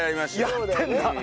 やってるんだ。